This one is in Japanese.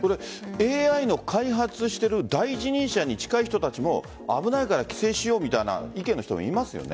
ＡＩの開発している第一人者に近い人たちも危ないから規制しようみたいな意見の人もいますよね。